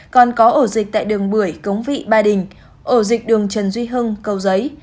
còn có ổ dịch tại đường bưởi cống vị ba đình ổ dịch đường trần duy hưng cầu giấy